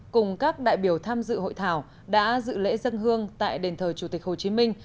cùng các đại biểu tham dự hội thảo đã dự lễ dân hương tại đền thờ chủ tịch hồ chí minh